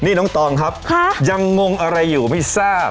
นี่น้องตองครับยังงงอะไรอยู่ไม่ทราบ